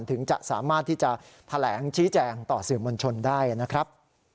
ถึงจะสามารถที่จะแถลงชี้แจงต่อสื่อมวลชนได้นะครับ